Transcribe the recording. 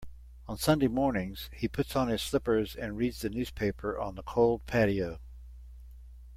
On Sunday mornings, he puts on his slippers and reads the newspaper on the cold patio.